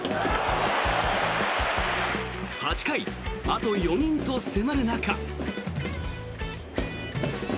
８回、あと４人と迫る中。